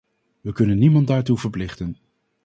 We kunnen niemand daartoe verplichten.